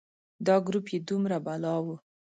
دا ګروپ یې دومره بلا و.